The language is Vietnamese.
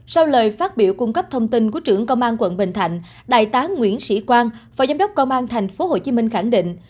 sau lời phát biểu cung cấp thông tin của trưởng công an quận bình thạnh đại tá nguyễn sĩ quang phó giám đốc công an tp hcm khẳng định